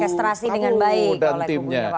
kubu kamu dan timnya